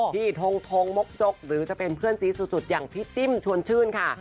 ทงทงมกจกหรือจะเป็นเพื่อนสีสุดอย่างพี่จิ้มชวนชื่นค่ะ